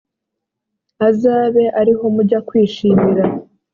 azabe ari ho mujya kwishimira